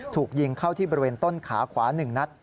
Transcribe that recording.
ถูกยิงเข้าที่บริเวณต้นขาขวา๑นัด